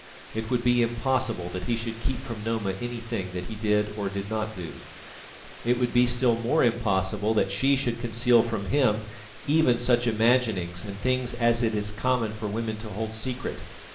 It would be impossible that he should keep from Noma anything that he did or did not do; it would be still more impossible that she should conceal from him even such imaginings and things as it is common for women to hold secret.